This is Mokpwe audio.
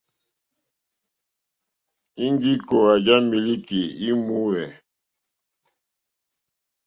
Íŋɡí kòòwà já mílíkì í mòòwê.